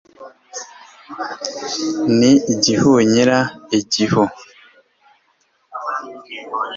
n'igihunyira, igihu